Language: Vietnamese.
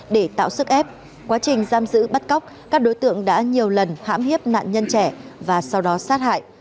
để tạo sức ép quá trình giam giữ bắt cóc các đối tượng đã nhiều lần hãm hiếp nạn nhân trẻ và sau đó sát hại